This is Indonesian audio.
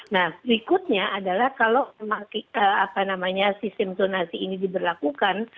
nah berikutnya adalah kalau sistem zonasi ini diberlakukan